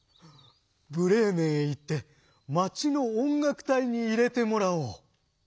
ブレーメンへいってまちのおんがくたいにいれてもらおう」。